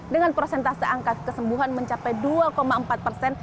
dengan prosentase angka kesembuhan mencapai dua empat persen